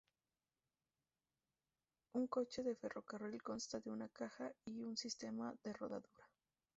Un coche de ferrocarril consta de una caja y un sistema de rodadura.